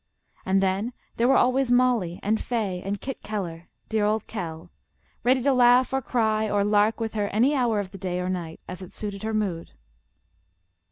And then there were always Mollie and Fay and Kit Keller dear old "Kell" ready to laugh or cry or lark with her any hour of the day or night, as it suited her mood.